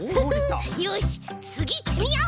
よしつぎいってみよう！